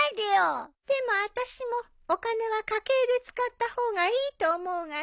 でもあたしもお金は家計で使った方がいいと思うがのう。